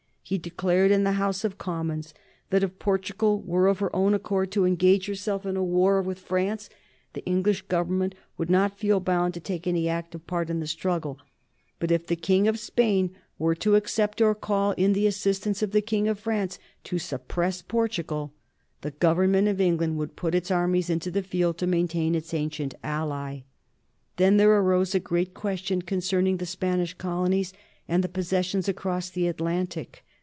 He declared in the House of Commons that if Portugal were, of her own accord, to engage herself in a war with France, the English Government would not feel bound to take any active part in the struggle, but that if the King of Spain were to accept or call in the assistance of the King of France to suppress Portugal, the Government of England would put its armies into the field to maintain its ancient ally. Then there arose a great question concerning the Spanish colonies and possessions across the Atlantic.